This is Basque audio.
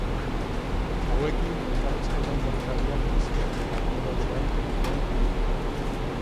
Hauekin elkarrizketa interesgarriak, biziak eta umoretsuak egitea da asmoa.